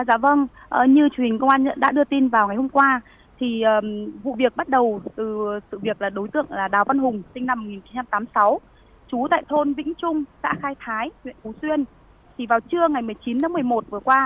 dạ vâng như chủ hình công an đã đưa tin vào ngày hôm qua